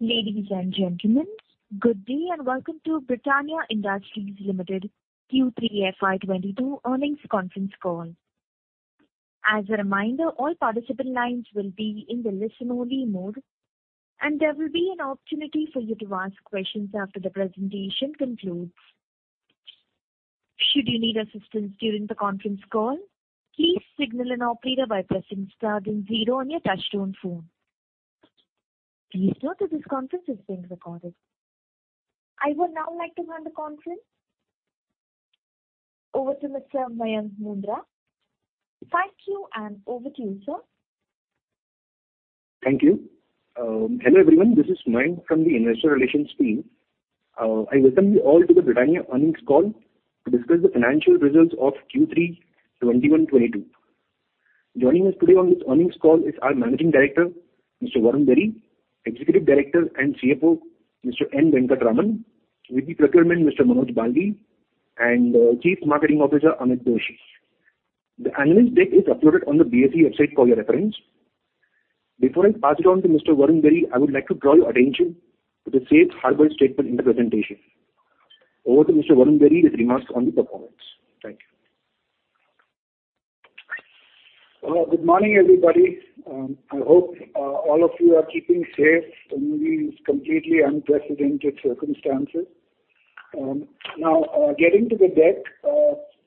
Ladies and gentlemen, good day, and welcome to Britannia Industries Limited Q3 FY 2022 earnings conference call. As a reminder, all participant lines will be in the listen-only mode, and there will be an opportunity for you to ask questions after the presentation concludes. Should you need assistance during the conference call, please signal an operator by pressing star then zero on your touchtone phone. Please note that this conference is being recorded. I would now like to hand the conference over to Mr. Mayank Mundra. Thank you, and over to you, sir. Thank you. Hello, everyone. This is Mayank from the investor relations team. I welcome you all to the Britannia earnings call to discuss the financial results of Q3 2021-2022. Joining us today on this earnings call is our Managing Director, Mr. Varun Berry, Executive Director and CFO, Mr. N. Venkataraman, VP Procurement, Mr. Manoj Balgi, and Chief Marketing Officer, Amit Doshi. The analyst deck is uploaded on the BSE website for your reference. Before I pass it on to Mr. Varun Berry, I would like to draw your attention to the safe harbor statement in the presentation. Over to Mr. Varun Berry with remarks on the performance. Thank you. Good morning, everybody. I hope all of you are keeping safe in these completely unprecedented circumstances. Now, getting to the deck,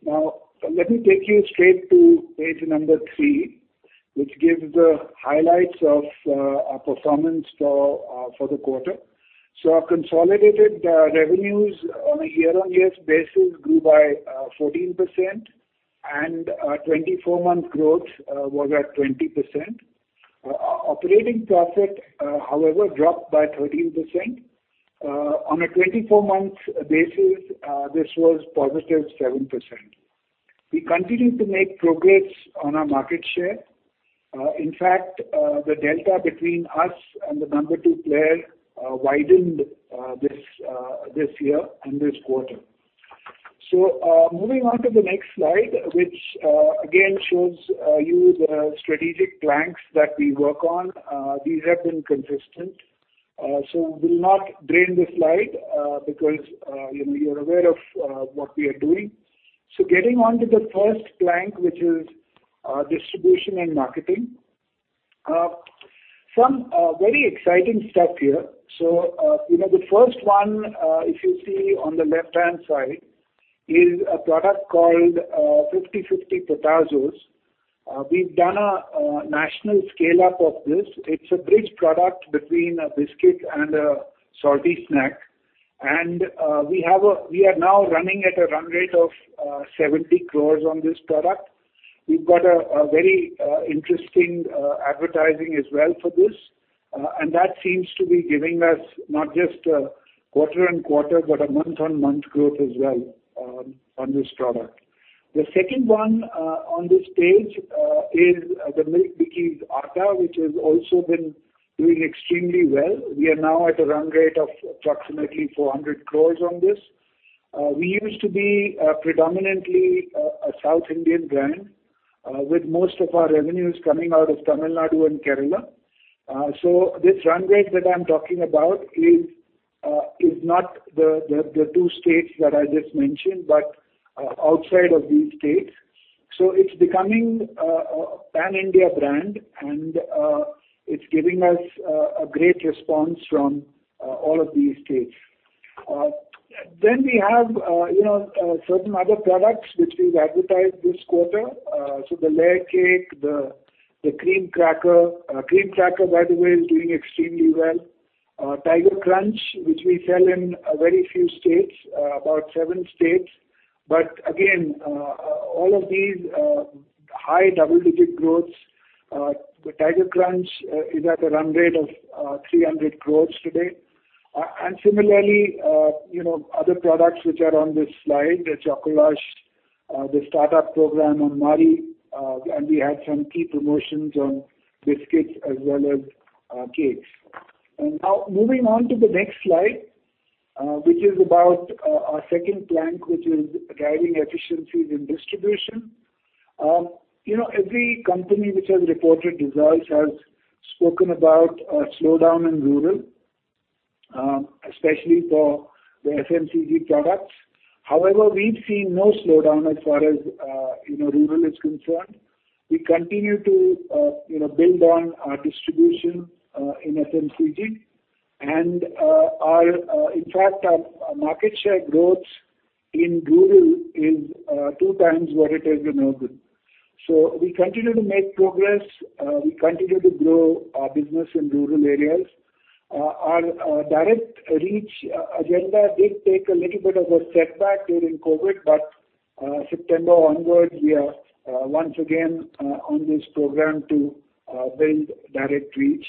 let me take you straight to page number three, which gives the highlights of our performance for the quarter. Our consolidated revenues on a year-on-year basis grew by 14%, and our 24-month growth was at 20%. Operating profit, however, dropped by 13%. On a 24-month basis, this was positive 7%. We continue to make progress on our market share. In fact, the delta between us and the number two player widened this year and this quarter. Moving on to the next slide, which again shows you the strategic planks that we work on. These have been consistent. We'll not drain this slide, because you're aware of what we are doing. Getting onto the first plank, which is distribution and marketing. Some very exciting stuff here. You know, the first one, if you see on the left-hand side, is a product called 50-50 Potazos. We've done a national scale-up of this. It's a bridge product between a biscuit and a salty snack. We are now running at a run rate of 70 crore on this product. We've got a very interesting advertising as well for this, and that seems to be giving us not just quarter-on-quarter, but month-on-month growth as well, on this product. The second one, on this page, is the Milk Bikis Atta, which has also been doing extremely well. We are now at a run rate of approximately 400 crore on this. We used to be predominantly a South Indian brand, with most of our revenues coming out of Tamil Nadu and Kerala. This run rate that I'm talking about is not the two states that I just mentioned, but outside of these states. It's becoming a pan-India brand, and it's giving us a great response from all of these states. We have you know certain other products which we've advertised this quarter, the Layerz, the Cream Cracker. Cream Cracker, by the way, is doing extremely well. Tiger Krunch, which we sell in a very few states, about seven states. Again, all of these high double-digit growths. The Tiger Krunch is at a run rate of 300 crores today. And similarly, you know, other products which are on this slide, the Choco Lush, the startup program on Marie, and we had some key promotions on biscuits as well as cakes. Now moving on to the next slide, which is about our second plank, which is driving efficiencies in distribution. You know, every company which has reported results has spoken about a slowdown in rural, especially for the FMCG products. However, we've seen no slowdown as far as, you know, rural is concerned. We continue to, you know, build on our distribution in FMCG. In fact, our market share growth in rural is two times what it has been urban. We continue to make progress. We continue to grow our business in rural areas. Our direct reach agenda did take a little bit of a setback during COVID, but September onwards, we are once again on this program to build direct reach.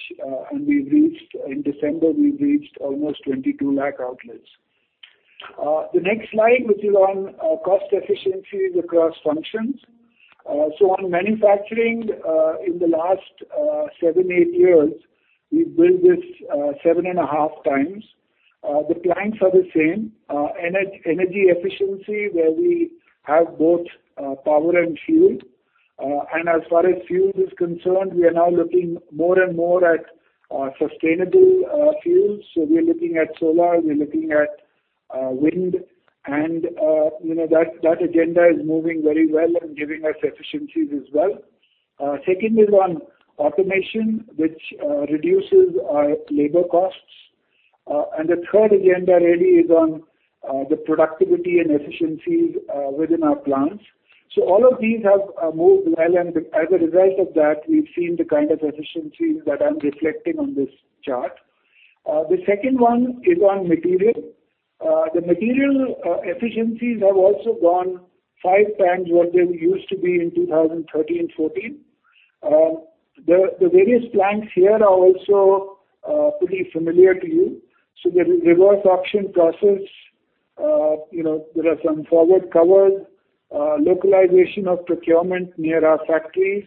In December, we reached almost 22 lakh outlets. The next slide, which is on cost efficiencies across functions. On manufacturing, in the last 7-8 years, we've built this 7.5x. The clients are the same. Energy efficiency, where we have both power and fuel. As far as fuel is concerned, we are now looking more and more at sustainable fuels. We are looking at solar, we're looking at wind. You know, that agenda is moving very well and giving us efficiencies as well. Second is on automation, which reduces our labor costs. The third agenda really is on the productivity and efficiencies within our plants. All of these have moved well. As a result of that, we've seen the kind of efficiencies that I'm reflecting on this chart. The second one is on material. The material efficiencies have also gone five times what they used to be in 2013, 2014. The various planks here are also pretty familiar to you. The reverse auction process, you know, there are some forward covers, localization of procurement near our factories.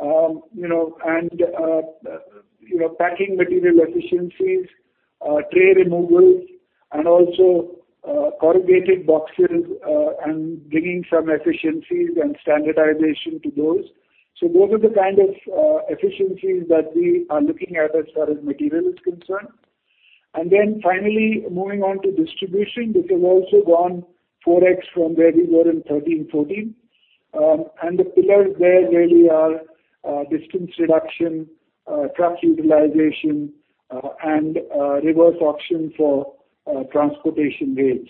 You know, packing material efficiencies, tray removals and also, corrugated boxes, and bringing some efficiencies and standardization to those. Those are the kind of efficiencies that we are looking at as far as material is concerned. Then finally, moving on to distribution, which has also gone 4x from where we were in 2013-14. The pillars there really are, distance reduction, truck utilization, and reverse auction for transportation rates.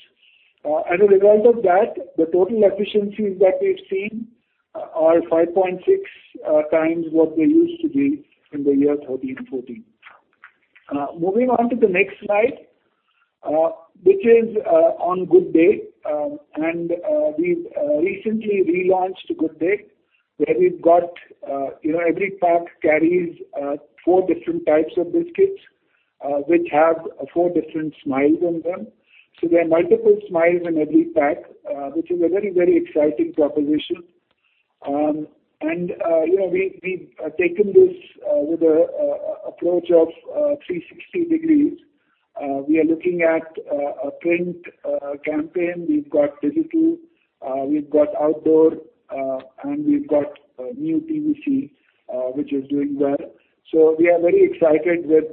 As a result of that, the total efficiencies that we've seen are 5.6 times what they used to be in the year 2013-14. Moving on to the next slide, which is on Good Day. We've recently relaunched Good Day, where we've got, you know, every pack carries four different types of biscuits, which have four different smiles on them. There are multiple smiles in every pack, which is a very exciting proposition. You know, we've taken this with a approach of 360 degrees. We are looking at a print campaign. We've got digital, we've got outdoor, and we've got new TVC, which is doing well. We are very excited with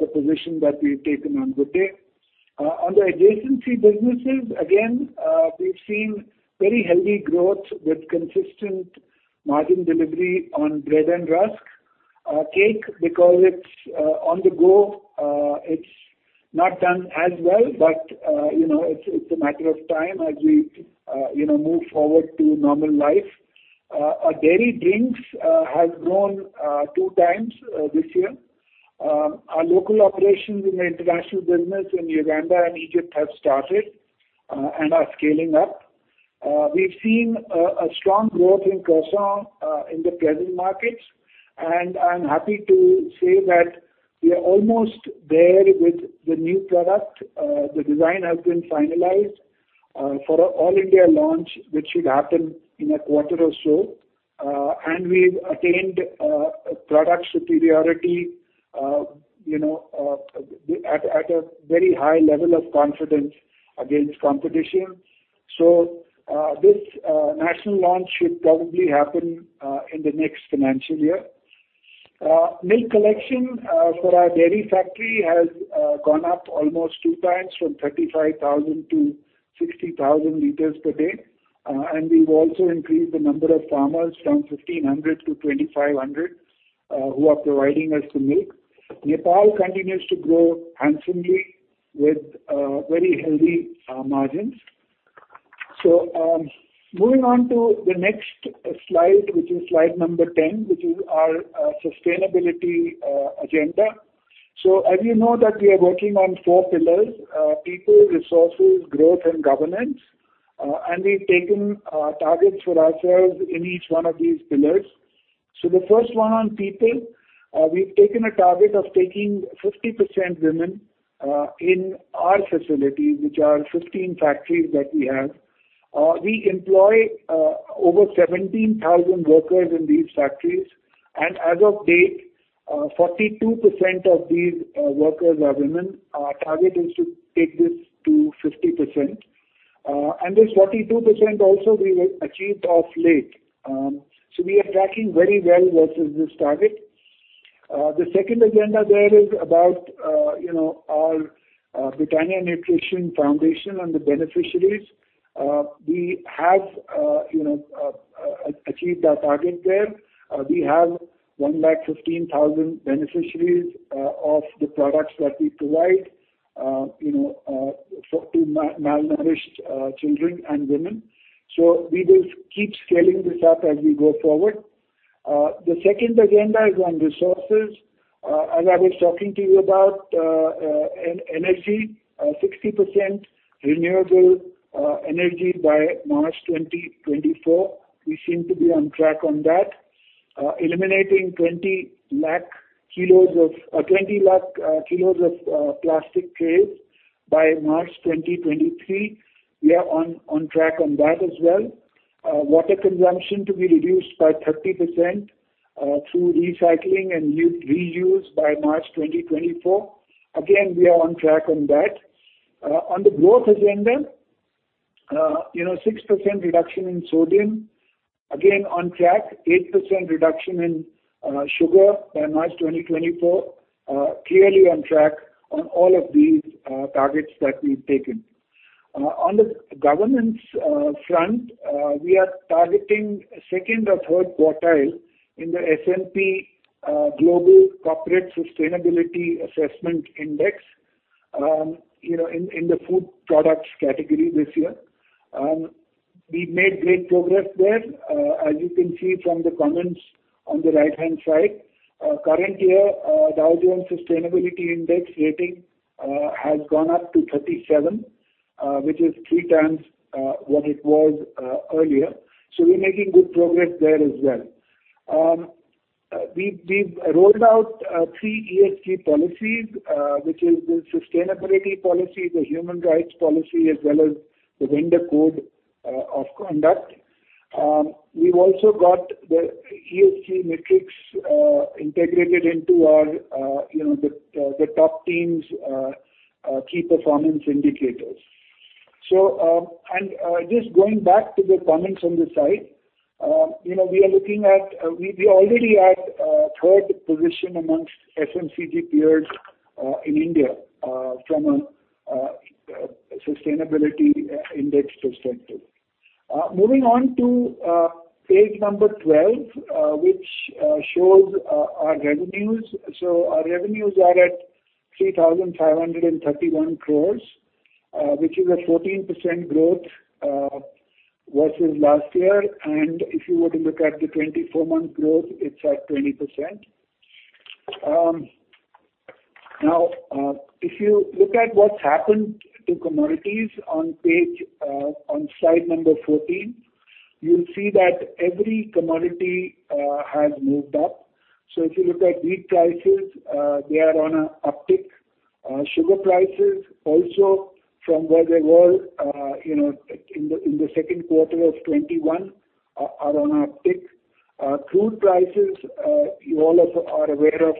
the position that we've taken on Good Day. On the adjacency businesses, again, we've seen very healthy growth with consistent margin delivery on bread and Rusk. Cake, because it's on the go, it's not done as well, but you know, it's a matter of time as we, you know, move forward to normal life. Our dairy drinks has grown two times this year. Our local operations in the international business in Uganda and Egypt have started and are scaling up. We've seen a strong growth in Croissant in the present markets. I'm happy to say that we are almost there with the new product. The design has been finalized for our all India launch, which should happen in a quarter or so. We've attained product superiority, you know, at a very high level of confidence against competition. This national launch should probably happen in the next financial year. Milk collection for our dairy factory has gone up almost two times from 35,000 to 60,000 liters per day. We've also increased the number of farmers from 1,500 to 2,500 who are providing us the milk. Nepal continues to grow handsomely with very healthy margins. Moving on to the next slide, which is slide number 10, which is our sustainability agenda. As you know that we are working on four pillars: people, resources, growth, and governance. We've taken targets for ourselves in each one of these pillars. The first one on people. We've taken a target of taking 50% women in our facilities, which are 15 factories that we have. We employ over 17,000 workers in these factories. As of date, 42% of these workers are women. Our target is to take this to 50%. This 42% also we achieved of late. We are tracking very well versus this target. The second agenda there is about, you know, our Britannia Nutrition Foundation and the beneficiaries. We have achieved our target there. We have 1.15 lakh beneficiaries of the products that we provide, you know, to malnourished children and women. We will keep scaling this up as we go forward. The second agenda is on resources. As I was talking to you about, energy, 60% renewable energy by March 2024, we seem to be on track on that. Eliminating 20 lakh kilos of plastic trays by March 2023. We are on track on that as well. Water consumption to be reduced by 30% through recycling and reuse by March 2024. Again, we are on track on that. On the growth agenda, 6% reduction in sodium. Again, on track. 8% reduction in sugar by March 2024. Clearly on track on all of these targets that we've taken. On the governance front, we are targeting second or third quartile in the S&P Global Corporate Sustainability Assessment in the food products category this year. We've made great progress there. As you can see from the comments on the right-hand side. Current year, Dow Jones Sustainability Index rating has gone up to 37, which is three times what it was earlier. We're making good progress there as well. We've rolled out three ESG policies, which is the sustainability policy, the human rights policy, as well as the vendor code of conduct. We've also got the ESG metrics integrated into our, you know, the top teams' key performance indicators. Just going back to the comments on the side. You know, we are already at third position amongst FMCG peers in India from a sustainability index perspective. Moving on to page number 12, which shows our revenues. Our revenues are at 3,531 crores, which is a 14% growth versus last year. If you were to look at the 24-month growth, it's at 20%. If you look at what's happened to commodities on slide number 14, you'll see that every commodity has moved up. If you look at wheat prices, they are on a uptick. Sugar prices also from where they were, you know, in the second quarter of 2021 are on a uptick. Crude prices, you all also are aware of,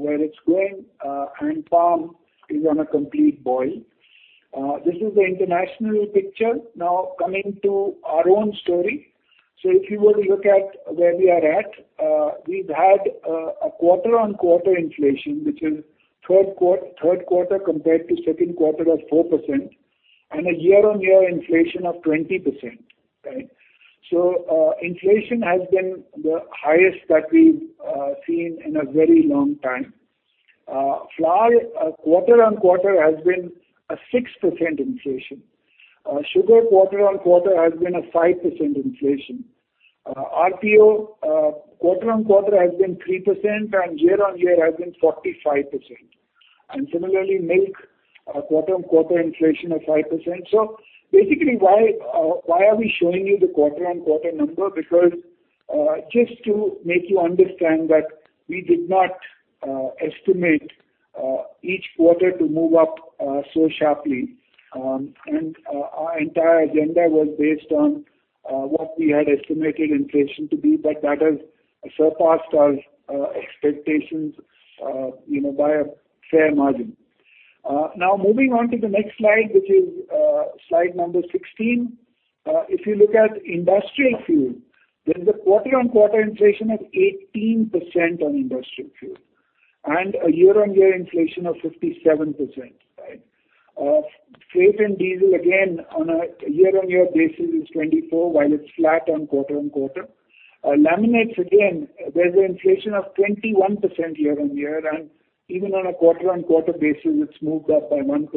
where it's going. Palm is on a complete boil. This is the international picture. Coming to our own story. If you were to look at where we are at, we've had a quarter-on-quarter inflation, which is third quarter compared to second quarter of 4%, and a year-on-year inflation of 20%. Right? Inflation has been the highest that we've seen in a very long time. Flour quarter-on-quarter has been a 6% inflation. Sugar quarter-on-quarter has been a 5% inflation. RPO quarter-on-quarter has been 3%, and year-on-year has been 45%. Similarly, milk quarter-on-quarter inflation of 5%. Basically, why are we showing you the quarter-on-quarter number? Because just to make you understand that we did not estimate each quarter to move up so sharply. Our entire agenda was based on what we had estimated inflation to be, but that has surpassed our expectations, you know, by a fair margin. Now moving on to the next slide, which is slide number sixteen. If you look at industrial fuel, there is a quarter-on-quarter inflation of 18% on industrial fuel, and a year-on-year inflation of 57%. Right? Freight and diesel, again, on a year-on-year basis is 24%, while it's flat on quarter-on-quarter. Laminates, again, there's an inflation of 21% year-on-year, and even on a quarter-on-quarter basis, it's moved up by 1%.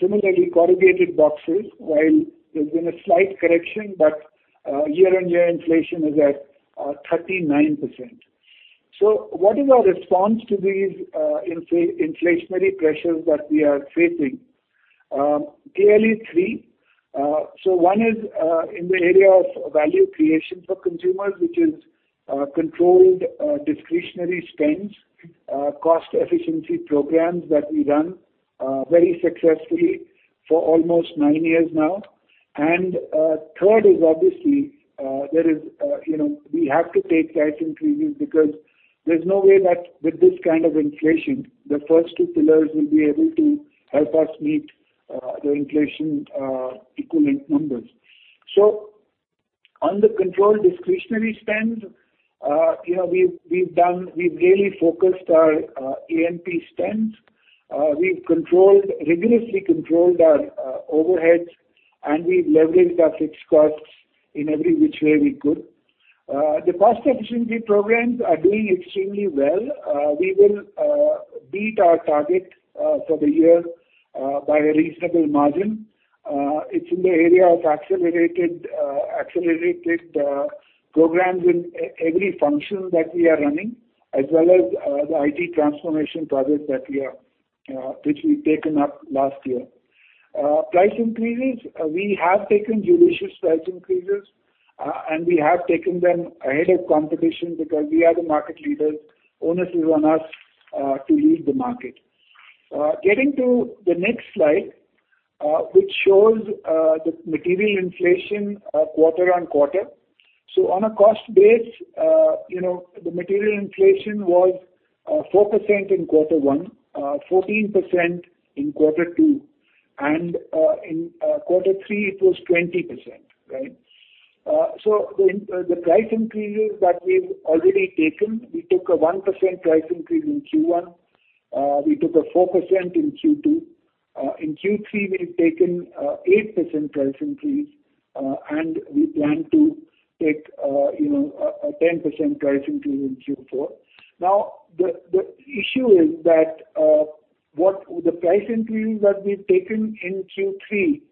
Similarly, corrugated boxes, while there's been a slight correction, but year-on-year inflation is at 39%. What is our response to these inflationary pressures that we are facing? Clearly three. One is in the area of value creation for consumers, which is controlled discretionary spends, cost efficiency programs that we run very successfully for almost nine years now. Third is obviously there is you know we have to take price increases because there's no way that with this kind of inflation, the first two pillars will be able to help us meet the inflation equivalent numbers. On the controlled discretionary spends, you know, we've really focused our A&P spends. We've controlled rigorously controlled our overheads, and we've leveraged our fixed costs in every which way we could. The cost efficiency programs are doing extremely well. We will beat our target for the year by a reasonable margin. It's in the area of accelerated programs in every function that we are running, as well as the IT transformation projects that we've taken up last year. Price increases, we have taken judicious price increases, and we have taken them ahead of competition because we are the market leaders. Onus is on us to lead the market. Getting to the next slide, which shows the material inflation quarter on quarter. So on a cost base, you know, the material inflation was 4% in quarter one, 14% in quarter two, and in quarter three, it was 20%, right? So the price increases that we've already taken, we took a 1% price increase in Q1. We took a 4% in Q2. In Q3 we've taken 8% price increase, and we plan to take, you know, a 10% price increase in Q4. Now, the issue is that the price increase that we've taken in Q3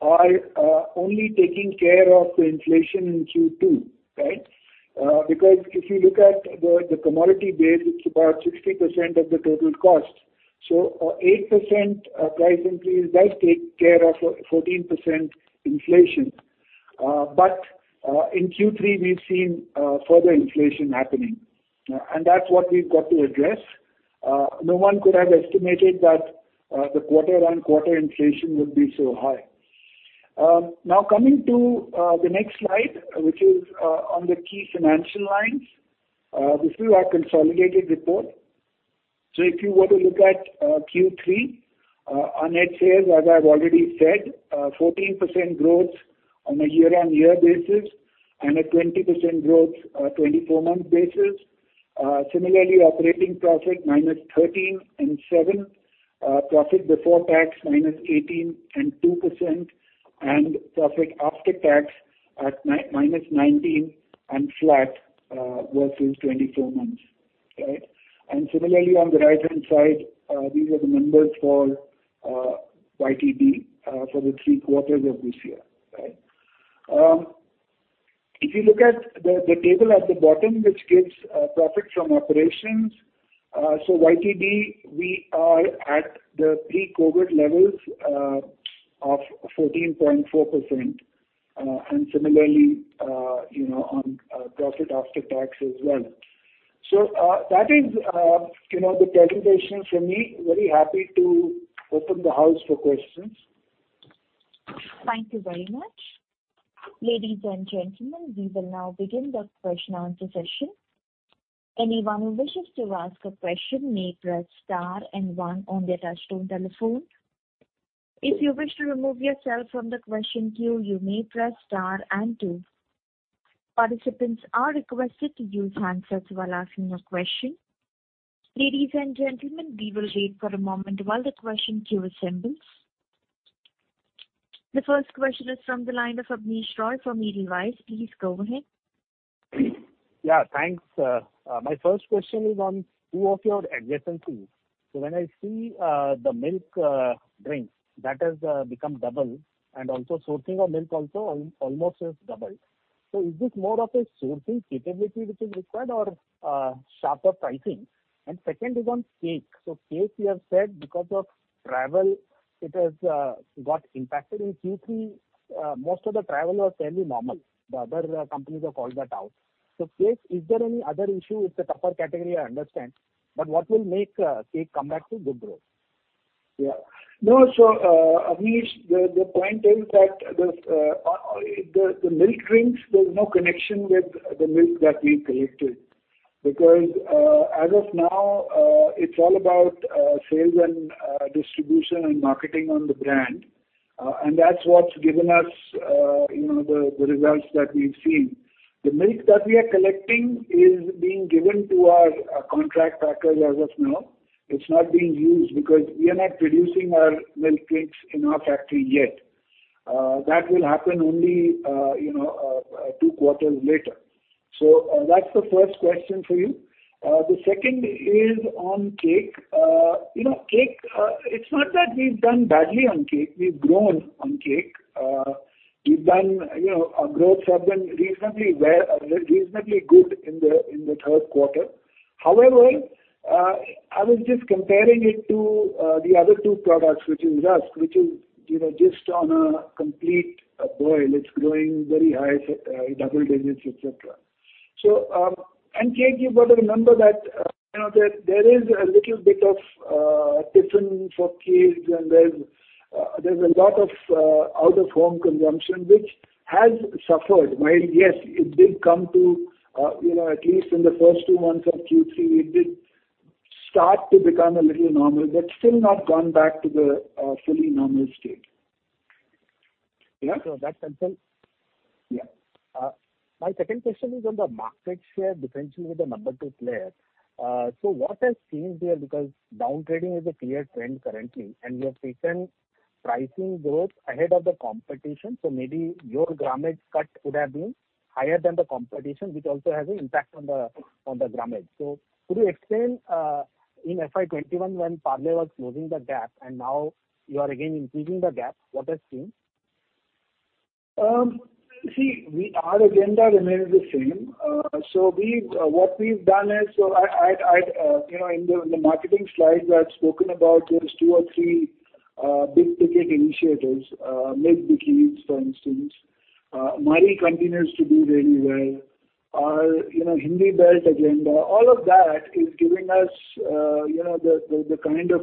are only taking care of the inflation in Q2, right? Because if you look at the commodity base, it's about 60% of the total cost. So 8% price increase does take care of 14% inflation. But in Q3, we've seen further inflation happening. And that's what we've got to address. No one could have estimated that the quarter-on-quarter inflation would be so high. Now coming to the next slide, which is on the key financial lines. This is our consolidated report. If you were to look at Q3, our net sales, as I've already said, 14% growth on a year-on-year basis and a 20% growth, 24-month basis. Similarly, operating profit -13% and -7%, profit before tax -18% and -2%, and profit after tax -19% and flat, versus 24 months. Similarly, on the right-hand side, these are the numbers for YTD, for the three quarters of this year. If you look at the table at the bottom, which gives profit from operations. YTD we are at the pre-COVID levels of 14.4%. And similarly, you know, on profit after tax as well. That is, you know, the presentation from me. Very happy to open the house for questions. Thank you very much. Ladies and gentlemen, we will now begin the question and answer session. Anyone who wishes to ask a question may press star and one on their touchtone telephone. If you wish to remove yourself from the question queue, you may press star and two. Participants are requested to use handsets while asking your question. Ladies and gentlemen, we will wait for a moment while the question queue assembles. The first question is from the line of Abneesh Roy from Edelweiss. Please go ahead. Yeah, thanks. My first question is on two of your adjacencies. When I see the milk drink that has become double and also sourcing of milk also almost has doubled. Is this more of a sourcing capability which is required or sharper pricing? Second is on cake. Cake you have said because of travel it has got impacted. In Q3 most of the travel was fairly normal. The other companies have called that out. Cake, is there any other issue? It's a tougher category, I understand. What will make cake come back to good growth? Abneesh, the point is that the milk drinks, there's no connection with the milk that we collected, because, as of now, it's all about sales and distribution and marketing on the brand. And that's what's given us, you know, the results that we've seen. The milk that we are collecting is being given to our contract packers as of now. It's not being used because we are not producing our milk cakes in our factory yet. That will happen only, you know, two quarters later. That's the first question for you. The second is on cake. You know, cake, it's not that we've done badly on cake. We've grown on cake. We've done, you know, our growth has been reasonably well, reasonably good in the third quarter. However, I was just comparing it to the other two products, which is Rusk, you know, just on a complete boil. It's growing very high, double digits, et cetera. Cake you've got to remember that, you know, there is a little bit of tiffin for kids, and there's a lot of out-of-home consumption which has suffered. While, yes, it did come to, you know, at least in the first two months of Q3, it did start to become a little normal, but still not gone back to the fully normal state. That's helpful. Yeah. My second question is on the market share differential with the number two player. What has changed here? Because down trading is a clear trend currently, and you have taken pricing growth ahead of the competition. Maybe your grammage cut could have been higher than the competition, which also has an impact on the grammage. Could you explain in FY 2021 when Parle was closing the gap and now you are again increasing the gap, what has changed? Our agenda remains the same. What we've done is, I'd spoken about those two or three big-ticket initiatives, Milk Bikis, for instance. Marie continues to do really well. You know, Hindi belt agenda. All of that is giving us the kind of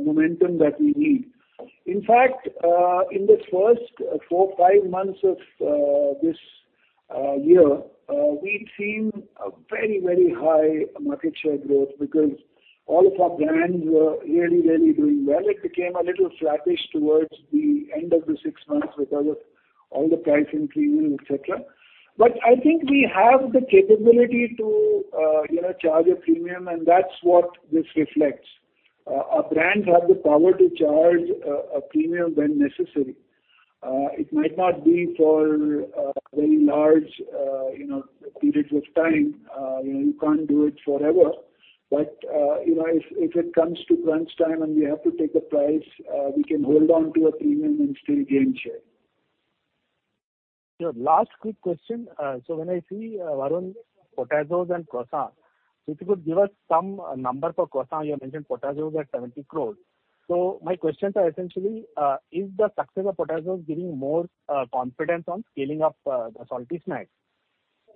momentum that we need. In fact, in this first four, five months of this year, we've seen a very, very high market share growth because all of our brands were really, really doing well. It became a little flattish towards the end of the six months because of all the pricing premium, et cetera. I think we have the capability to charge a premium, and that's what this reflects. Our brands have the power to charge a premium when necessary. It might not be for very large, you know, periods of time. You know, you can't do it forever. You know, if it comes to crunch time and we have to take a price, we can hold on to a premium and still gain share. Sure. Last quick question. When I see, Varun, Potazos and Croissant, if you could give us some number for Croissant. You have mentioned Potazos are 70 crore. My questions are essentially, is the success of Potazos giving more confidence on scaling up the salty snacks?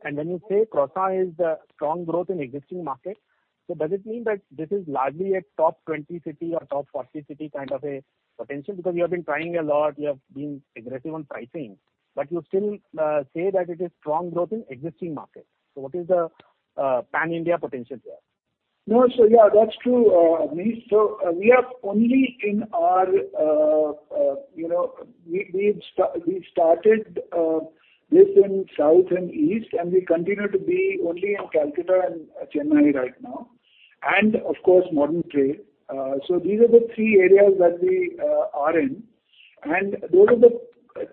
When you say Croissant is strong growth in existing markets, does it mean that this is largely a top 20 city or top 40 city kind of a potential? Because you have been trying a lot, you have been aggressive on pricing, but you still say that it is strong growth in existing markets. What is the pan-India potential there? No. Yeah, that's true, Amit. We are only in our, you know. We've started this in South and East, and we continue to be only in Calcutta and Chennai right now, and of course, modern trade. These are the three areas that we are in, and those are the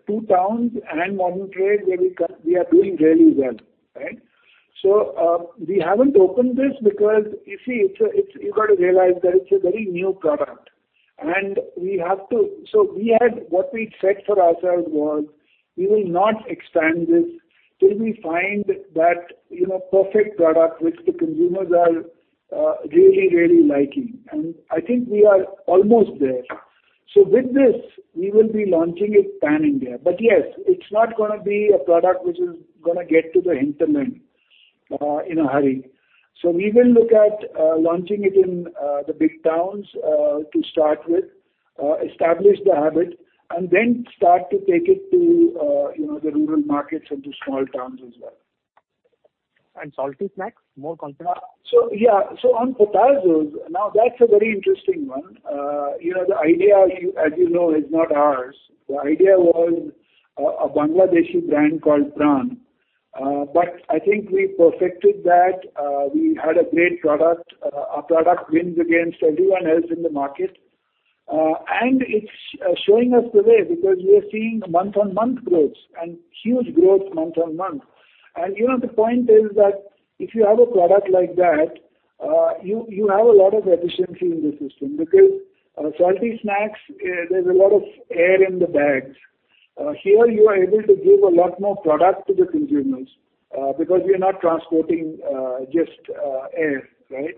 two towns and modern trade where we are doing really well, right? We haven't opened this because you see it's a very new product, and we have to. What we'd set for ourselves was we will not expand this till we find that, you know, perfect product which the consumers are really, really liking. I think we are almost there. With this, we will be launching it pan-India. Yes, it's not gonna be a product which is gonna get to the hinterland in a hurry. We will look at launching it in the big towns to start with, establish the habit and then start to take it to you know the rural markets and to small towns as well. Salty snacks, more confident? On Potazos, now that's a very interesting one. You know, the idea, as you know, is not ours. The idea was a Bangladeshi brand called PRAN. I think we perfected that. We had a great product. Our product wins against everyone else in the market. It's showing us the way because we are seeing month-on-month growth and huge month-on-month growth. You know, the point is that if you have a product like that, you have a lot of efficiency in the system. Because salty snacks, there's a lot of air in the bags. Here you are able to give a lot more product to the consumers, because we are not transporting just air, right?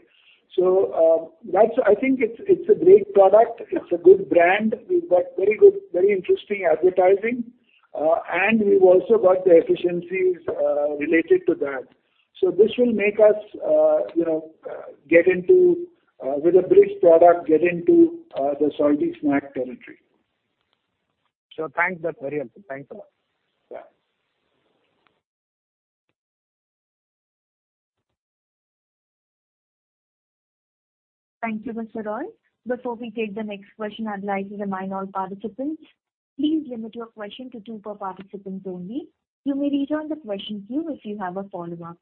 I think it's a great product. It's a good brand. We've got very good, very interesting advertising. We've also got the efficiencies related to that. This will make us, you know, get into the salty snack territory with a bridge product. Thanks. That's very helpful. Thanks a lot. Yeah. Thank you, Mr. Roy. Before we take the next question, I'd like to remind all participants, please limit your question to two per participant only. You may rejoin the question queue if you have a follow-up.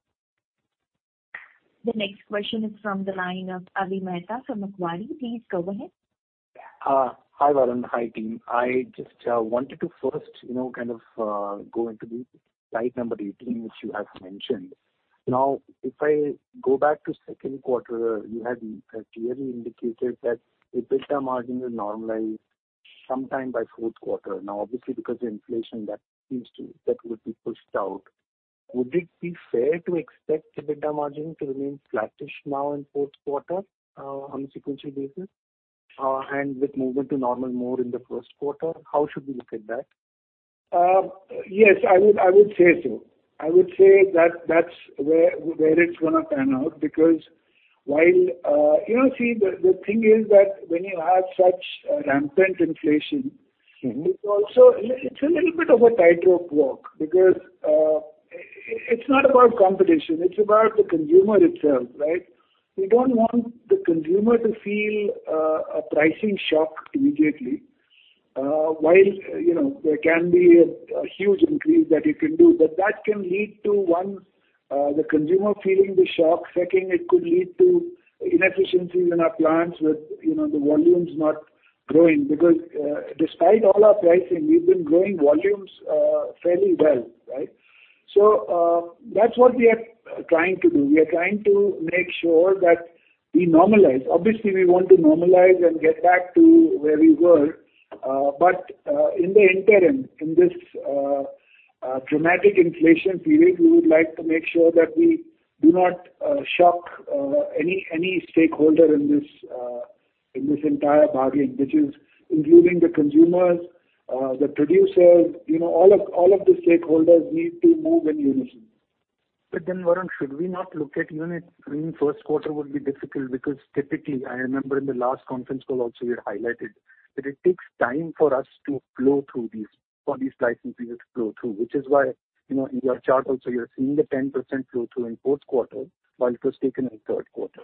The next question is from the line of Avi Mehta from Macquarie. Please go ahead. Hi, Varun. Hi, team. I just wanted to first, you know, kind of, go into the slide number 18, which you have mentioned. Now, if I go back to second quarter, you had clearly indicated that EBITDA margin will normalize sometime by fourth quarter. Now, obviously, because of inflation that seems to, that would be pushed out. Would it be fair to expect EBITDA margin to remain flattish now in fourth quarter, on a sequential basis, and with movement to normal more in the first quarter? How should we look at that? Yes, I would say so. I would say that that's where it's gonna pan out, because while you know, see, the thing is that when you have such a rampant inflation- Mm-hmm. It's also a little bit of a tightrope walk because it's not about competition, it's about the consumer itself, right? We don't want the consumer to feel a pricing shock immediately. While you know there can be a huge increase that you can do, but that can lead to one, the consumer feeling the shock. Second, it could lead to inefficiencies in our plants with you know the volumes not growing. Because despite all our pricing, we've been growing volumes fairly well, right? That's what we are trying to do. We are trying to make sure that we normalize. Obviously, we want to normalize and get back to where we were. In the interim, in this dramatic inflation period, we would like to make sure that we do not shock any stakeholder in this entire bargain, which is including the consumers, the producers, you know, all of the stakeholders need to move in unison. Varun, should we not look at unit? I mean, first quarter will be difficult because typically, I remember in the last conference call also you had highlighted that it takes time for these price increases to flow through. Which is why, you know, in your chart also, you're seeing the 10% flow through in fourth quarter, while it was taken in third quarter.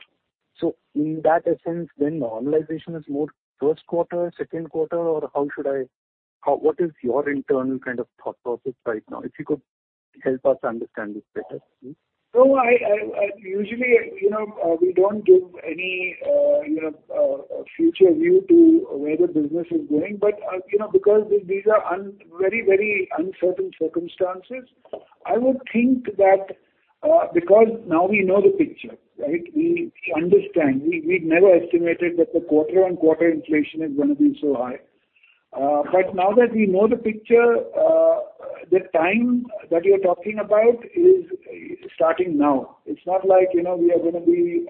In that essence, then normalization is more first quarter, second quarter, or how should I? What is your internal kind of thought process right now? If you could help us understand this better, please. No, I usually, you know, we don't give any, you know, future view to where the business is going. You know, because these are very, very uncertain circumstances, I would think that, because now we know the picture, right? We understand. We'd never estimated that the quarter-on-quarter inflation is gonna be so high. Now that we know the picture, the time that you're talking about is starting now. It's not like, you know, we are gonna be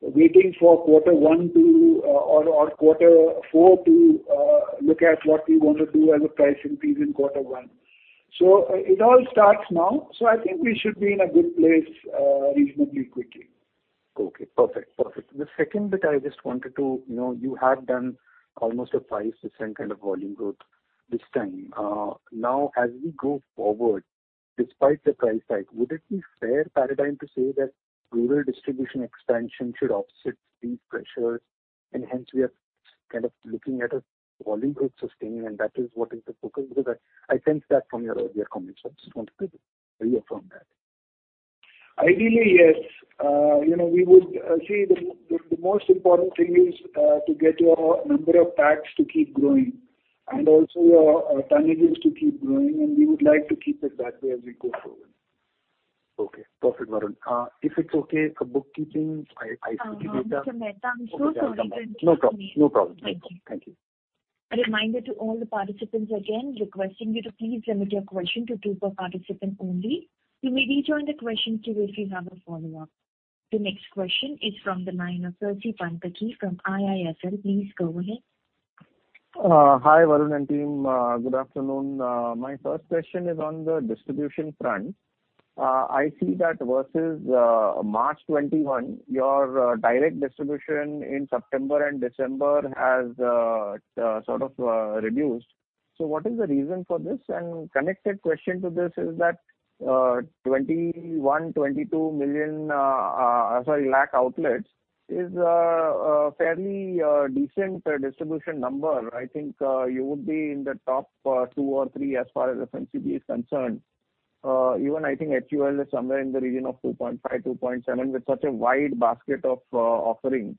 waiting for quarter one to, or quarter four to, look at what we want to do as a price increase in quarter one. It all starts now, so I think we should be in a good place, reasonably quickly. Okay. Perfect. The second bit I just wanted to. You know, you have done almost a 5% kind of volume growth this time. Now as we go forward, despite the price hike, would it be fair paradigm to say that rural distribution expansion should offset these pressures and hence we are kind of looking at a volume growth sustaining and that is what is the focus? Because I sense that from your earlier comments. I just wanted to reaffirm that. Ideally, yes. You know, we would say the most important thing is to get your number of packs to keep growing and also your tonnages to keep growing, and we would like to keep it that way as we go forward. Okay. Perfect, Varun. If it's okay for bookkeeping, I see the data. Mr. Mehta, I'm so sorry to interrupt you. No problem. Thank you. A reminder to all the participants again, requesting you to please limit your question to two per participant only. You may rejoin the question queue if you have a follow-up. The next question is from the line of Percy Panthaki from IIFL. Please go ahead. Hi, Varun and team. Good afternoon. My first question is on the distribution front. I see that versus March 2021, your direct distribution in September and December has sort of reduced. What is the reason for this? Connected question to this is that 21-22 lakh outlets is a fairly decent distribution number. I think you would be in the top two or three as far as FMCG is concerned. Even I think HUL is somewhere in the region of 2.5-2.7 with such a wide basket of offering.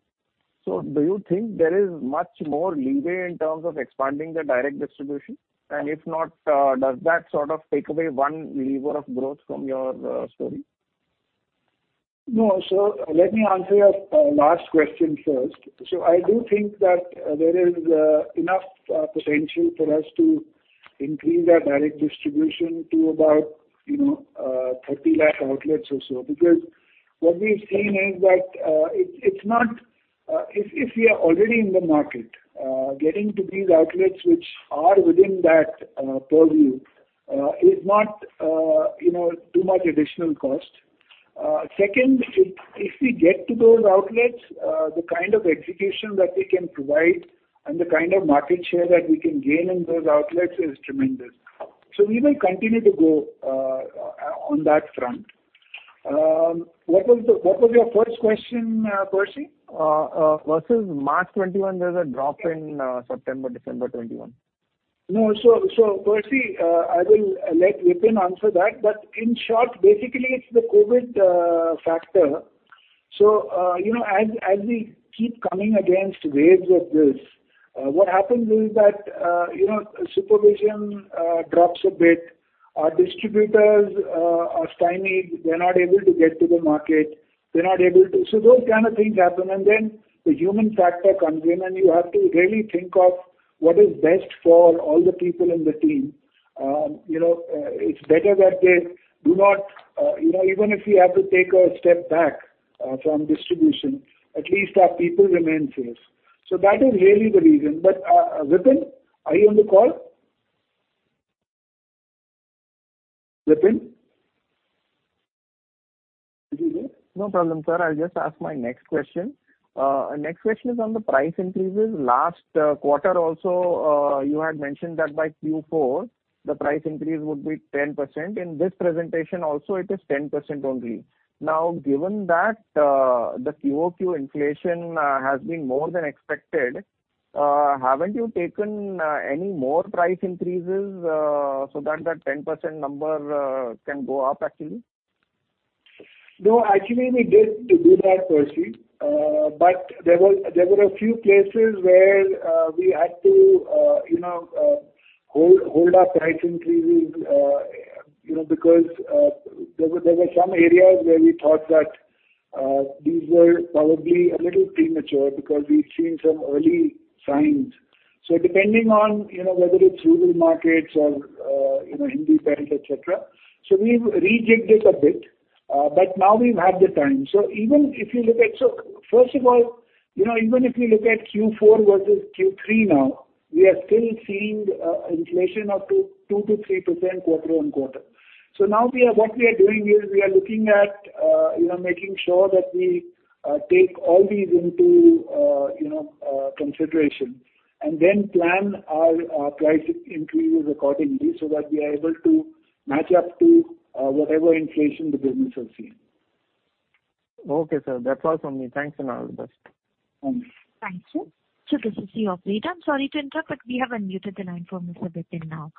Do you think there is much more leeway in terms of expanding the direct distribution? And if not, does that sort of take away one lever of growth from your story? No. Let me answer your last question first. I do think that there is enough potential for us to increase our direct distribution to about, you know, 30 lakh outlets or so. Because what we've seen is that it's not... If we are already in the market, getting to these outlets which are within that purview is not, you know, too much additional cost. Second, if we get to those outlets, the kind of execution that we can provide and the kind of market share that we can gain in those outlets is tremendous. We will continue to go on that front. What was your first question, Percy? Versus March 2021, there's a drop in September, December 2021. No. Percy, I will let Vipin answer that, but in short, basically it's the COVID factor. You know, we keep coming against waves of this, what happens is that, you know, supervision drops a bit. Our distributors are stymied. They're not able to get to the market. Those kind of things happen, and then the human factor comes in and you have to really think of what is best for all the people in the team. You know, it's better that they do not. You know, even if we have to take a step back from distribution, at least our people remain safe. That is really the reason. Vipin, are you on the call? Vipin? Are you there? No problem, sir. I'll just ask my next question. Next question is on the price increases. Last quarter also, you had mentioned that by Q4 the price increase would be 10%. In this presentation also it is 10% only. Now, given that, the QOQ inflation has been more than expected, haven't you taken any more price increases so that the 10% number can go up actually? No, actually we did do that, Percy. But there were a few places where we had to, you know, hold our price increases, you know, because there were some areas where we thought that these were probably a little premature because we've seen some early signs. Depending on, you know, whether it's rural markets or you know in the dairy, et cetera. We've rejigged it a bit, but now we've had the time. First of all, you know, even if you look at Q4 versus Q3 now, we are still seeing inflation of 2%-3% quarter-over-quarter. Now, what we are doing is we are looking at, you know, making sure that we take all these into, you know, consideration and then plan our price increases accordingly so that we are able to match up to whatever inflation the business is seeing. Okay, sir. That's all from me. Thanks and all the best. Thanks. Thank you. This is the operator. I'm sorry to interrupt, but we have unmuted the line for Mr. Vipin now.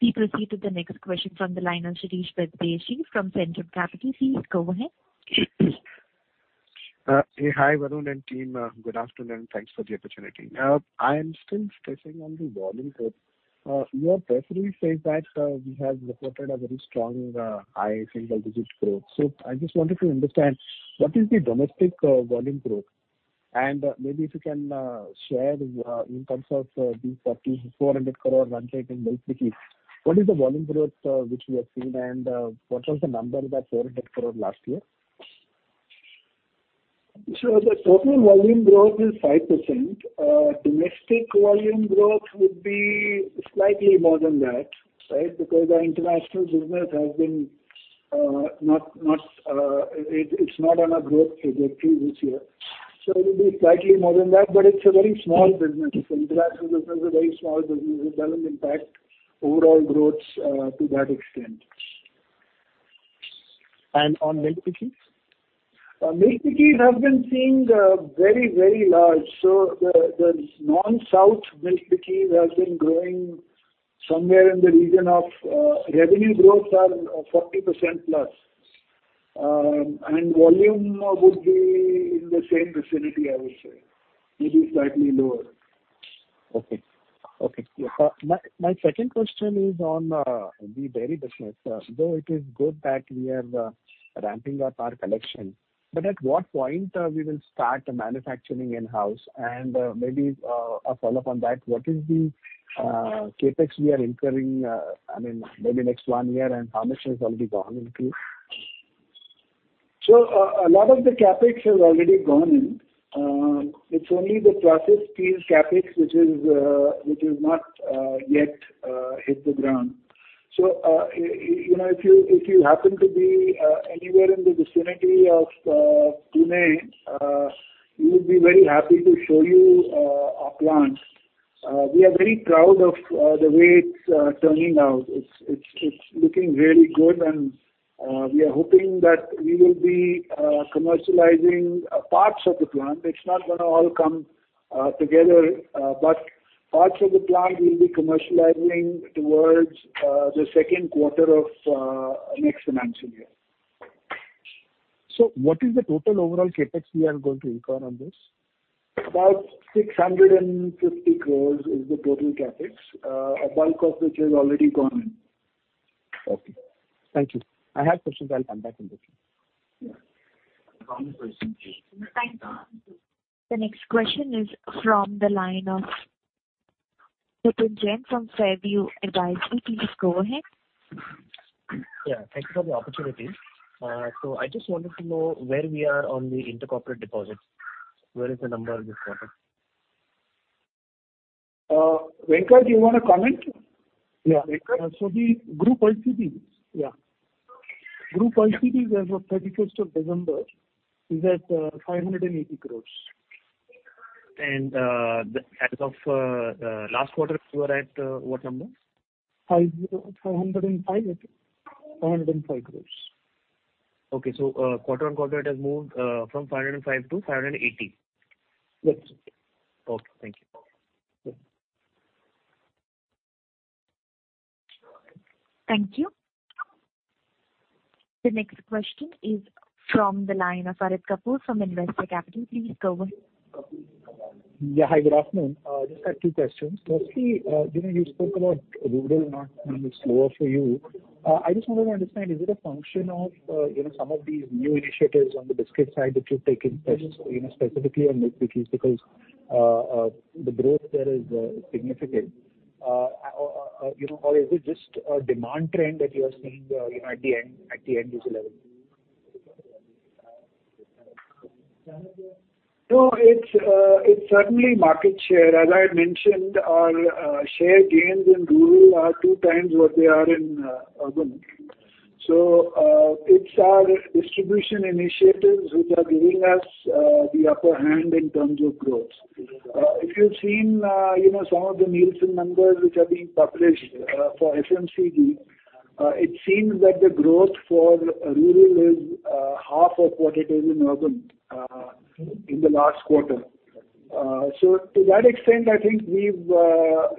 We proceed to the next question from the line of Shirish Pardeshi from Centrum Broking. Please go ahead. Hey. Hi, Varun and team. Good afternoon. Thanks for the opportunity. I am still stressing on the volume growth. You have personally said that we have reported a very strong high single digit growth. I just wanted to understand what is the domestic volume growth? Maybe if you can share in terms of the 4,400 crore run rate in Milk Bikis, what is the volume growth which you have seen and what was the number that 400 crore last year? The total volume growth is 5%. Domestic volume growth would be slightly more than that, right? Because our international business has been, it's not on a growth trajectory this year. It will be slightly more than that, but it's a very small business. International business is a very small business. It doesn't impact overall growth to that extent. on Milk Bikis? Milk Bikis has been seeing very large. The non-south Milk Bikis has been growing somewhere in the region of revenue growth are 40% plus. And volume would be in the same vicinity, I would say. Maybe slightly lower. Okay. My second question is on the dairy business. Though it is good that we are ramping up our collection, but at what point we will start manufacturing in-house and maybe a follow-up on that, what is the CapEx we are incurring, I mean, maybe next one year, and how much has already gone into? A lot of the CapEx has already gone in. It's only the processed cheese CapEx which is not yet hit the ground. You know, if you happen to be anywhere in the vicinity of Pune, we would be very happy to show you our plant. We are very proud of the way it's turning out. It's looking really good and we are hoping that we will be commercializing parts of the plant. It's not gonna all come together, but parts of the plant we'll be commercializing towards the second quarter of next financial year. What is the total overall CapEx we are going to incur on this? About 650 crore is the total CapEx, a bulk of which has already gone in. Okay. Thank you. I have questions. I'll come back in this one. Yeah. Thank you. The next question is from the line of Nitin Jain from Fairview Investment Advisory. Please go ahead. Yeah, thank you for the opportunity. I just wanted to know where we are on the intercorporate deposits. Where is the number this quarter? Venkat, do you wanna comment? Yeah. Venkat? The group ICDs. Yeah. Group ICDs as of 31 December is at 580 crore. As of the last quarter, you were at what number? 505 crore, I think. Quarter-on-quarter it has moved from 505 to 580. Yes. Okay. Thank you. Yeah. Thank you. The next question is from the line of Varun Kapoor from Investec Capital. Please go ahead. Yeah. Hi, good afternoon. Just had two questions. Firstly, you know, you spoke about rural market being slower for you. I just wanted to understand, is it a function of, you know, some of these new initiatives on the biscuit side that you're taking place, you know, specifically on Milk Bikis because, you know, or is it just a demand trend that you are seeing, you know, at the end user level? No, it's certainly market share. As I mentioned, our share gains in rural are two times what they are in urban. It's our distribution initiatives which are giving us the upper hand in terms of growth. If you've seen, you know, some of the Nielsen numbers which are being published for FMCG, it seems that the growth for rural is half of what it is in urban in the last quarter. To that extent, I think we've,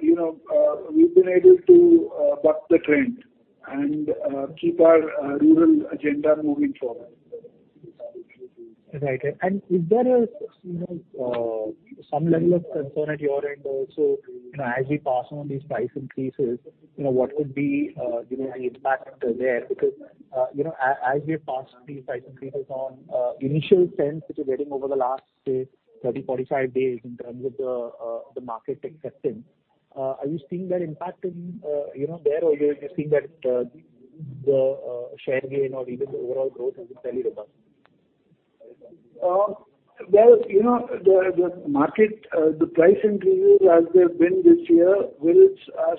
you know, been able to buck the trend and keep our rural agenda moving forward. Right. Is there a, you know, some level of concern at your end also, you know, as we pass on these price increases, you know, what could be, you know, the impact there? Because, you know, as we have passed these price increases on, initial sense which we're getting over the last, say, 30-45 days in terms of the market acceptance, are you seeing that impact in, you know, there or you're seeing that, the share gain or even the overall growth has been fairly robust? Well, you know, the market price increases as they've been this year will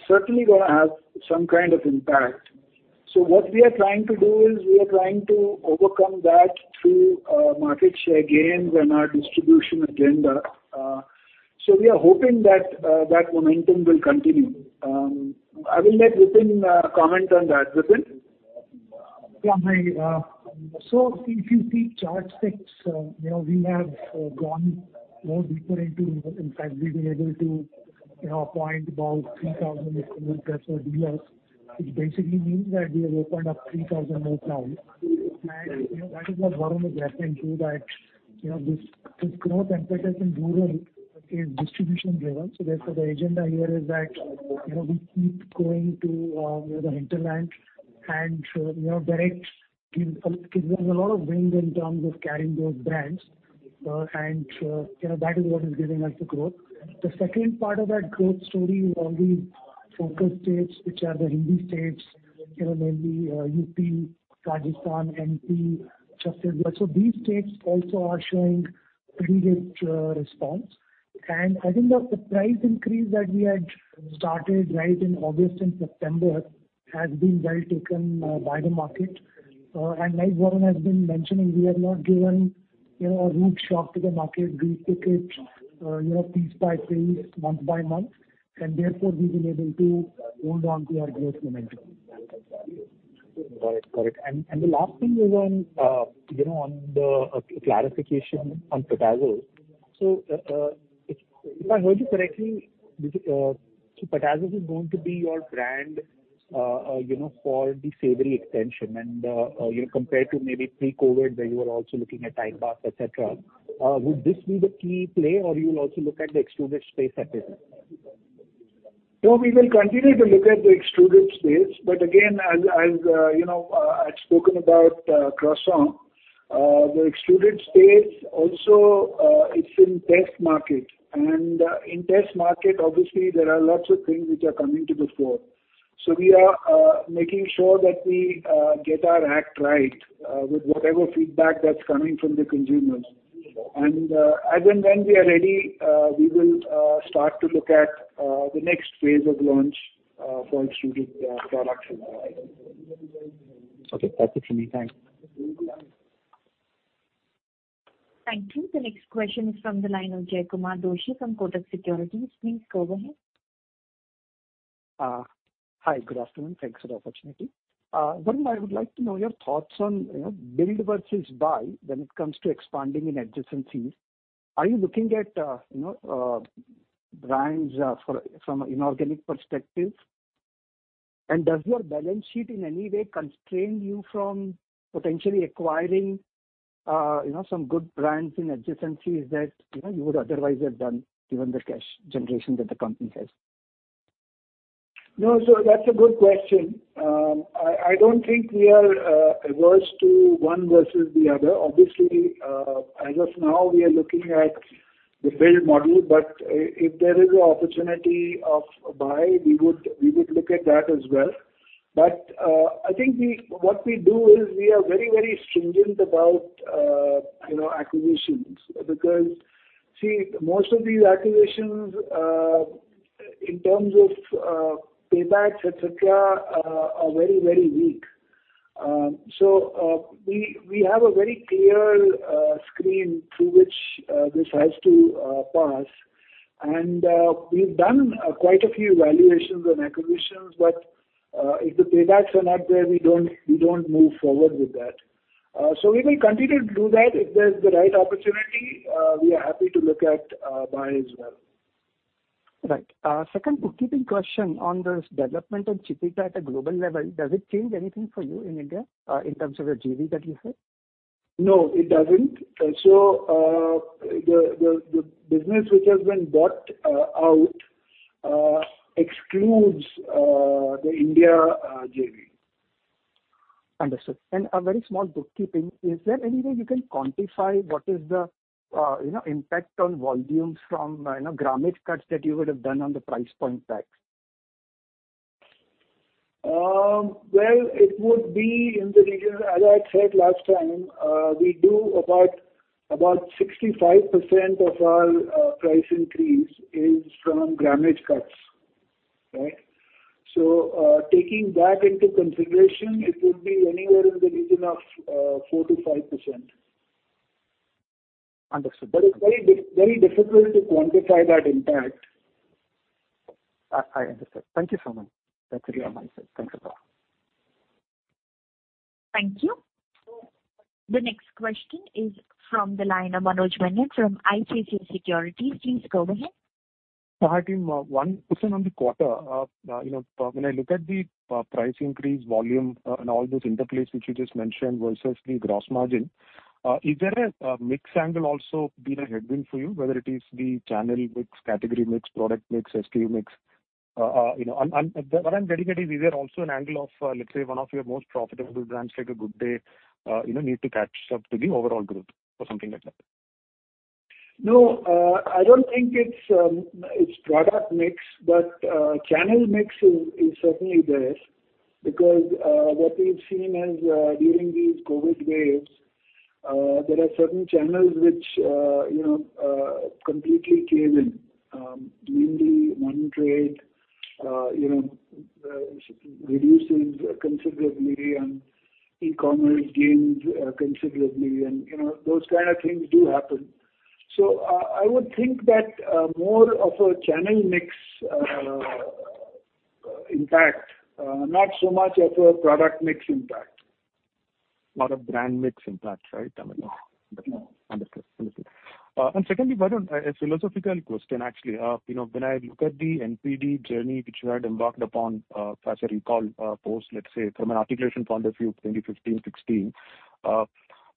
certainly gonna have some kind of impact. What we are trying to do is overcome that through market share gains and our distribution agenda. We are hoping that momentum will continue. I will let Ritu comment on that. Ritu? Yeah, hi. So if you see chart specs, you know, we have gone more deeper into, in fact, we've been able to, you know, appoint about 3,000 distributors or dealers, which basically means that we have opened up 3,000 more towns. You know, that is what Varun was referring to that, you know, this growth impetus in rural is distribution-driven. Therefore the agenda here is that, you know, we keep going to, you know, the hinterland and, you know, direct in, it has a lot of wings in terms of carrying those brands. You know, that is what is giving us the growth. The second part of that growth story is all the focus states, which are the Hindi states. You know, mainly UP, Rajasthan, MP, Chhattisgarh. These states also are showing pretty rich response. I think the price increase that we had started right in August and September has been well taken by the market. Like Varun has been mentioning, we have not given, you know, a rude shock to the market. We took it, you know, piece by piece, month by month, and therefore we've been able to hold onto our growth momentum. Got it. The last thing is on the clarification on Potazos. If I heard you correctly, Potazos is going to be your brand for the savory extension. Compared to maybe pre-COVID where you were also looking at Treat Bites et cetera, would this be the key play or you'll also look at the extruded space as well? No, we will continue to look at the extruded space. Again, as you know, I'd spoken about Croissant, the extruded space also, it's in test market. In test market obviously there are lots of things which are coming to the fore. We are making sure that we get our act right with whatever feedback that's coming from the consumers. As and when we are ready, we will start to look at the next phase of launch for extruded products as well. Okay. That's it from me. Thanks. Thank you. Thank you. The next question is from the line of Jaykumar Doshi from Kotak Securities. Please go ahead. Hi. Good afternoon. Thanks for the opportunity. Varun, I would like to know your thoughts on, you know, build versus buy when it comes to expanding in adjacencies. Are you looking at, you know, brands, from a inorganic perspective? Does your balance sheet in any way constrain you from potentially acquiring, you know, some good brands in adjacencies that, you know, you would otherwise have done given the cash generation that the company has? No. That's a good question. I don't think we are averse to one versus the other. Obviously, as of now we are looking at the build model, but if there is an opportunity of buy, we would look at that as well. I think what we do is we are very, very stringent about, you know, acquisitions. Because, see, most of these acquisitions, in terms of, payback, et cetera, are very, very weak. We have a very clear screen through which this has to pass. We've done quite a few valuations and acquisitions, but if the paybacks are not there, we don't move forward with that. We will continue to do that. If there's the right opportunity, we are happy to look at buy as well. Right. Second bookkeeping question on this development of Chipita at a global level. Does it change anything for you in India, in terms of the JV that you have? No, it doesn't. The business which has been bought out excludes the India JV. Understood. A very small bookkeeping. Is there any way you can quantify what is the, you know, impact on volumes from, you know, grammage cuts that you would have done on the price point packs? Well, it would be in the region, as I had said last time, we do about 65% of our price increase is from grammage cuts. Right? Taking that into consideration, it would be anywhere in the region of 4%-5%. Understood. It's very difficult to quantify that impact. I understand. Thank you so much. That's it on my side. Thanks a lot. Thank you. The next question is from the line of Manoj Menon from ICICI Securities. Please go ahead. Hi, team. One question on the quarter. You know, when I look at the price increase volume and all those interplays which you just mentioned versus the gross margin, is there a mix angle also been a headwind for you, whether it is the channel mix, category mix, product mix, SKU mix? You know, and what I'm getting at is there also an angle of, let's say one of your most profitable brands like a Good Day, you know, need to catch up to the overall growth or something like that? No, I don't think it's product mix, but channel mix is certainly there because what we've seen is during these COVID waves there are certain channels which you know completely caved in. Mainly modern trade, you know, reduces considerably and e-commerce gains considerably and you know those kind of things do happen. I would think that more of a channel mix impact, not so much of a product mix impact. lot of brand mix impact, right? I mean. Yeah. Understood. Secondly, Varun, a philosophical question, actually. You know, when I look at the NPD journey which you had embarked upon, as I recall, post, let's say, from an articulation point of view, 2015, 2016.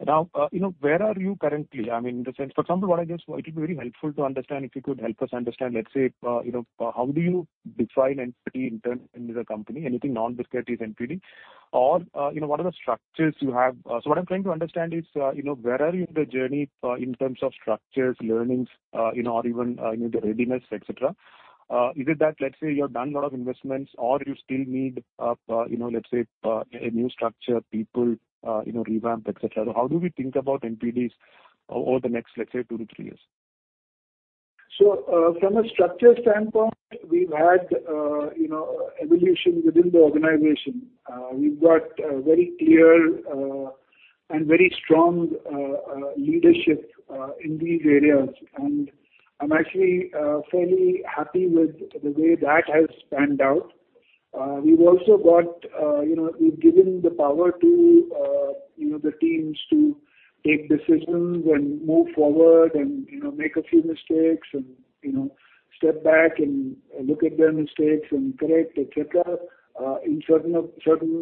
Now, you know, where are you currently? I mean, in the sense. For example, what I guess it would be very helpful to understand, if you could help us understand, let's say, you know, how do you define NPD internal in the company? Anything non-discretize NPD? Or, you know, what are the structures you have? What I'm trying to understand is, you know, where are you in the journey, in terms of structures, learnings, you know, or even, you know, the readiness, et cetera. Is it that, let's say, you have done a lot of investments or you still need, you know, let's say, a new structure, people, you know, revamp, et cetera. How do we think about NPDs over the next, let's say, 2-3 years? From a structure standpoint, we've had you know evolution within the organization. We've got a very clear and very strong leadership in these areas. I'm actually fairly happy with the way that has panned out. We've also got you know we've given the power to you know the teams to take decisions and move forward and you know make a few mistakes and you know step back and look at their mistakes and correct et cetera in certain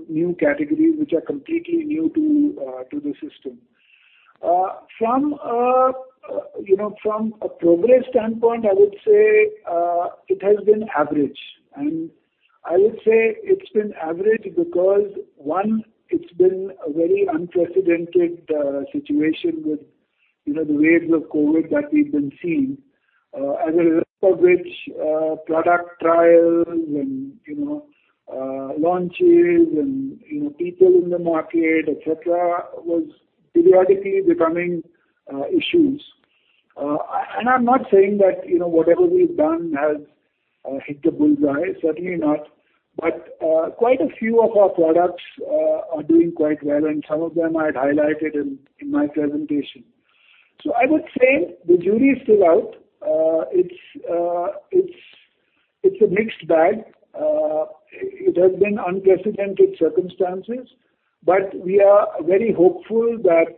new categories which are completely new to the system. From a progress standpoint, I would say it has been average. I would say it's been average because, one, it's been a very unprecedented situation with, you know, the waves of COVID that we've been seeing, as a result of which, product trials and, you know, launches and, you know, people in the market, et cetera, was periodically becoming issues. I'm not saying that, you know, whatever we've done has hit the bull's eye. Certainly not. Quite a few of our products are doing quite well, and some of them I had highlighted in my presentation. I would say the jury is still out. It's a mixed bag. It has been unprecedented circumstances, but we are very hopeful that,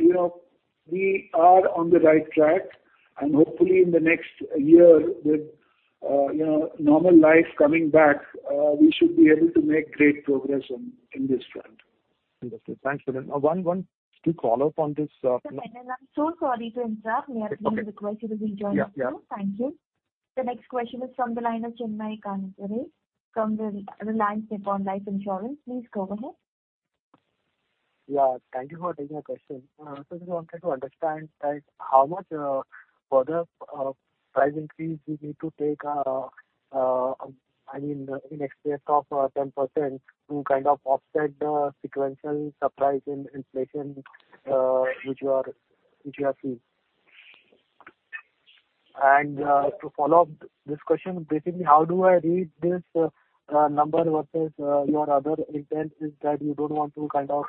you know, we are on the right track. Hopefully in the next year with, you know, normal life coming back, we should be able to make great progress on this front. Understood. Thanks for that. One quick follow-up on this. Sir, I'm so sorry to interrupt. Okay. We have been requested to join the call. Yeah. Yeah. Thank you. The next question is from the line of Sheela Rathi from the Reliance Nippon Life Insurance. Please go ahead. Yeah. Thank you for taking my question. So just wanted to understand that how much further price increase you need to take, I mean, in excess of 10% to kind of offset the sequential surprise in inflation, which you have seen. To follow up this question, basically how do I read this number versus your other instances that you don't want to kind of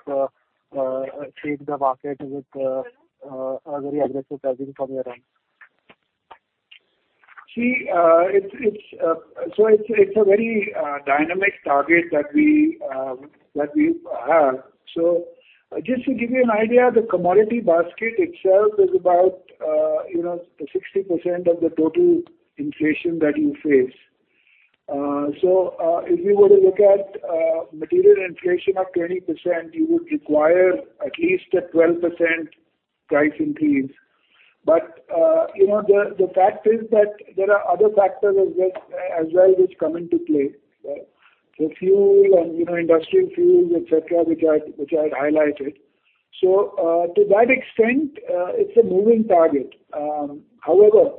shake the market with a very aggressive pricing from your end? See, it's a very dynamic target that we have. Just to give you an idea, the commodity basket itself is about, you know, 60% of the total inflation that you face. If you were to look at material inflation of 20%, you would require at least a 12% price increase. You know, the fact is that there are other factors as well which come into play. The fuel and, you know, industrial fuels, et cetera, which I had highlighted. To that extent, it's a moving target. However,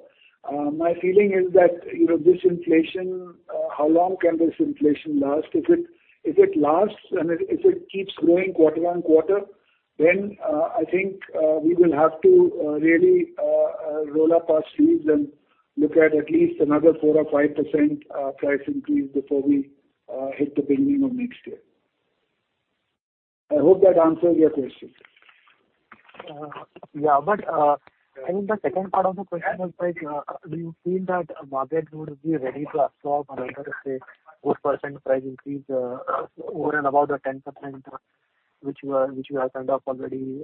my feeling is that, you know, this inflation, how long can this inflation last? If it lasts and if it keeps growing quarter on quarter, then I think we will have to really roll up our sleeves and look at least another 4%-5% price increase before we hit the beginning of next year. I hope that answered your question. Yeah. I mean, the second part of the question was like, do you feel that market would be ready to absorb another, say, 4% price increase over and above the 10% which you have kind of already.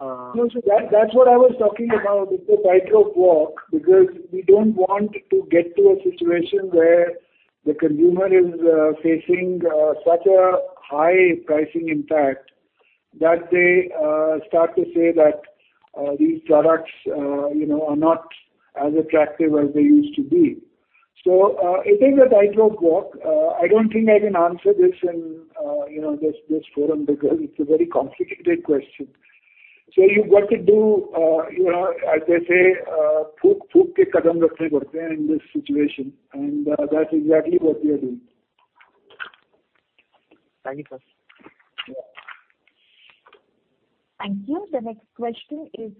No, that's what I was talking about with the tightrope walk, because we don't want to get to a situation where the consumer is facing such a high pricing impact that they start to say that these products you know are not as attractive as they used to be. It is a tightrope walk. I don't think I can answer this in you know this forum because it's a very complicated question. You've got to do you know as they say in this situation and that's exactly what we are doing. Thank you, sir. Yeah. Thank you. The next question is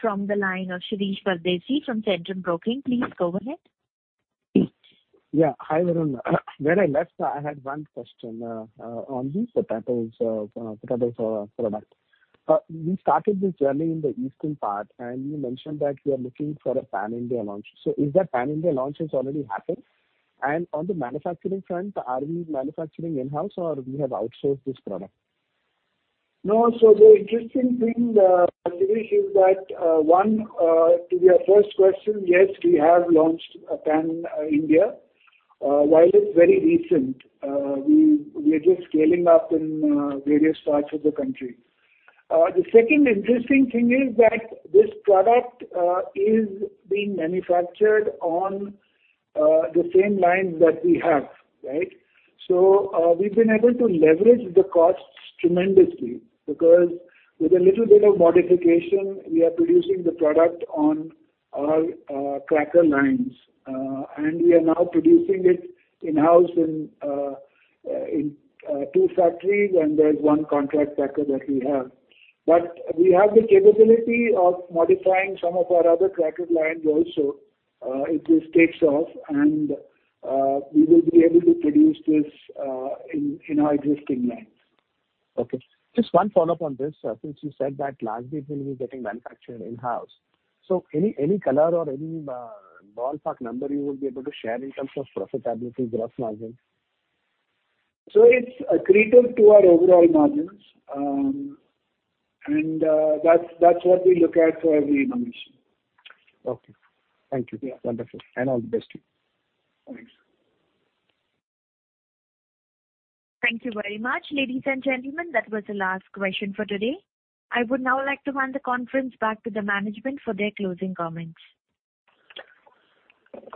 from the line of Shirish Pardeshi from Centrum Broking. Please go ahead. Yeah. Hi, Varun. When I left, I had one question on the Potazos product. We started this journey in the eastern part, and you mentioned that you are looking for a pan-India launch. Is that pan-India launch has already happened? And on the manufacturing front, are we manufacturing in-house or we have outsourced this product? No, the interesting thing, Shirish, is that, one, to your first question, yes, we have launched a pan-India. While it's very recent, we are just scaling up in various parts of the country. The second interesting thing is that this product is being manufactured on the same lines that we have, right? We've been able to leverage the costs tremendously because with a little bit of modification, we are producing the product on our cracker lines. We are now producing it in-house in two factories, and there's one contract packer that we have. We have the capability of modifying some of our other cracker lines also, if this takes off and we will be able to produce this in our existing lines. Okay. Just one follow-up on this, since you said that large gates will be getting manufactured in-house. Any color or any ballpark number you would be able to share in terms of profitability, gross margins? It's accretive to our overall margins. That's what we look at for every innovation. Okay. Thank you. Yeah. Wonderful. All the best to you. Thanks. Thank you very much. Ladies and gentlemen, that was the last question for today. I would now like to hand the conference back to the management for their closing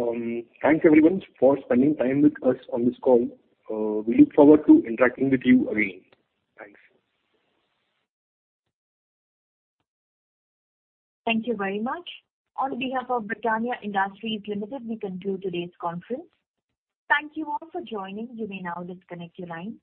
comments. Thanks, everyone, for spending time with us on this call. We look forward to interacting with you again. Thanks. Thank you very much. On behalf of Britannia Industries Limited, we conclude today's conference. Thank you all for joining. You may now disconnect your line.